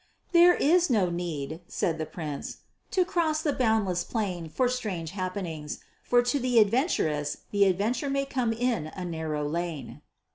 "There is no need," said the Prince, "to cross the boundless plain for strange happenings, for to the adventurous the adventure may come in a narrow lane."